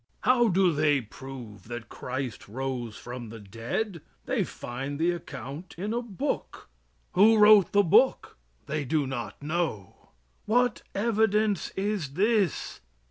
How do they prove that Christ rose from the dead? They find the account in a book. Who wrote the book? They do not know. What evidence is this?